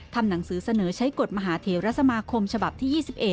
ทำหนังสือเสนอใช้กฎมหาเทรสมาคมฉบับที่๒๑